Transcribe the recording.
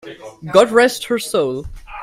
God rest her soul!